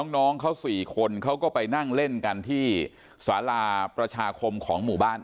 น้องเขา๔คนเขาก็ไปนั่งเล่นกันที่สาราประชาคมของหมู่บ้าน